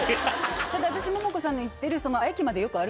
ただ私モモコさんの言ってる。